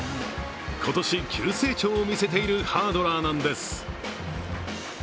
今年、急成長を見せているハードラーなんです。